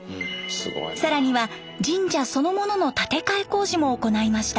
更には神社そのものの建て替え工事も行いました。